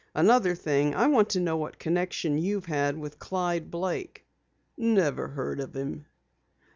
Another thing, I want to know what connection you've had with Clyde Blake." "Never heard of him."